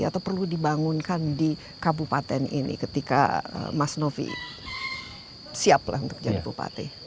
atau perlu dibangunkan di kabupaten ini ketika mas novi siap lah untuk jadi bupati